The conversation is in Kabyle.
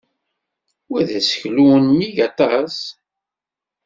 Wa d aseklu unnig aṭas.